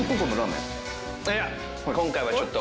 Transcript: いや今回はちょっと。